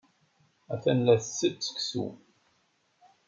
Attan la tettett seksu.